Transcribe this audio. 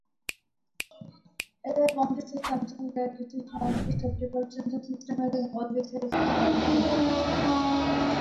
Since then a system has evolved which has hardly varied.